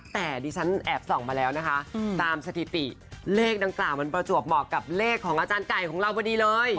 แต่ดิฉันแอบส่องมาแล้วนะคะตามสถิติเลขดังกล่าวมันประจวบเหมาะกับเลขของอาจารย์ไก่ของเราพอดีเลย